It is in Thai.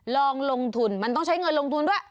ลองลงทุนมันต้องใช้เงินลงทุนด้วย